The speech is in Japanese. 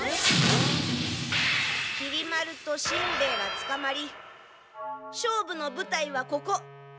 きり丸としんべヱがつかまり勝負のぶたいはここ裏々山へ。